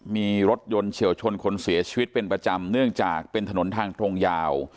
มีรถยนต์เฉียวชนคนเสียชีวิตเป็นประจำเนื่องจากเป็นถนนทางตรงยาว